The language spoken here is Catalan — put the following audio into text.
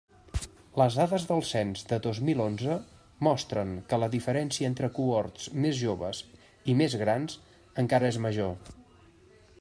Les dades del cens del dos mil onze mostren que la diferència entre cohorts més joves i més grans encara és major.